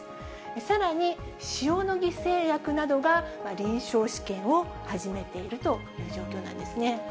さらに、塩野義製薬などが臨床試験を始めているという状況なんですね。